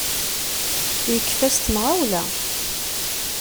Yekfa s temɣawla.